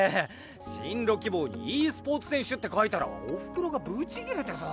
進路希望に「ｅスポーツ選手」って書いたらおふくろがブチギレてさ。